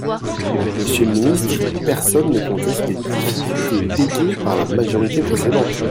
Monsieur le ministre, personne ne conteste les difficultés léguées par la majorité précédente.